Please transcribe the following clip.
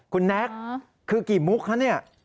คุณแนคคือกี่มุกแล้วนี่